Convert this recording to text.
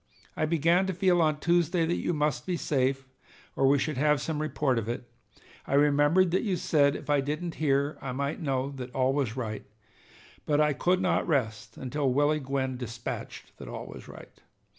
I began to feel on Tuesday that you must be safe, or we should have some report of it. I remembered that you said if I didn't hear, I might know all was right, but I could not rest until Willie Gwyn dispatched that all was right.